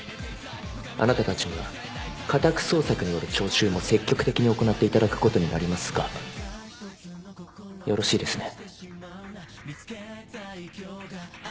あなたたちには家宅捜索による徴収も積極的に行っていただくことになりますがよろしいですね？